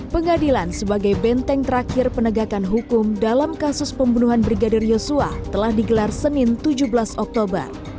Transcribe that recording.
pengadilan sebagai benteng terakhir penegakan hukum dalam kasus pembunuhan brigadir yosua telah digelar senin tujuh belas oktober